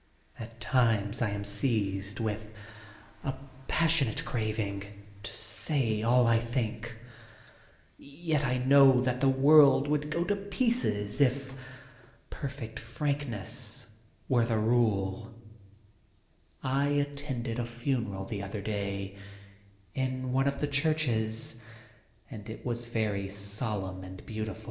At times I am seized with a passionate craving to say all I think Yet I know that the world would go to pieces if perfect frankness were the rule. 1 at 1 1 '// I 144 THE SPOOK SONATA scuNBin tended a funeral the other day — ^in one of the churches — and it was very solemn and beautiful.